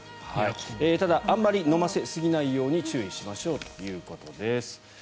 ただあんまり飲ませすぎないように注意しましょうということです。